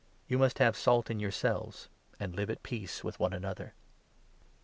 You must have salt in yourselves, and live at peace with one another